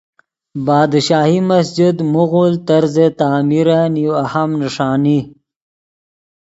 بادشاہی مسجد مغل طرزِ تعمیرن یو اہم نݰانی